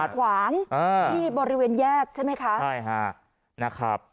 ขวางที่บริเวณแยกใช่ไหมคะใช่ฮะนะครับ